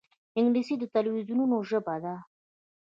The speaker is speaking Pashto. انګلیسي د تلویزونونو ژبه ده